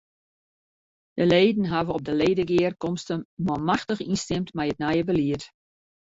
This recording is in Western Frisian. De leden hawwe op de ledegearkomste manmachtich ynstimd mei it nije belied.